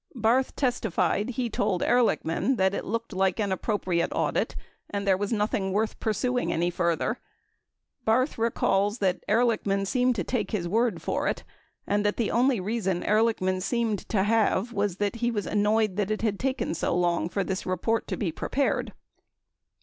Barth testified he told Ehrlichman that it looked like an appropriate audit and there was nothing worth pursuing any further. Barth recalls that Ehrlichman seemed to take his word for it and that the only reaction Ehrlichman seemed to have was that he was annoyed that it had taken so long for this report to be prepared.